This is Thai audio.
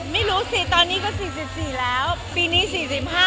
ไม่รู้สิตอนนี้ก็๔๔แล้วปีนี้๔๕